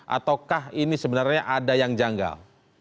ataukah ini sebenarnya ada yang janggal